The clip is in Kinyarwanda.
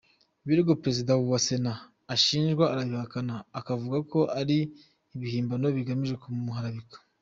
Ibirego Perezida wa Sena ashinjwa arabihakana, akavuga ko ari ibihimbano bigamije kumuharabika.